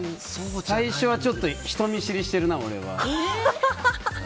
最初はちょっと人見知りしてるな。